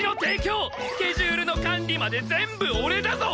スケジュールの管理まで全部俺だぞ！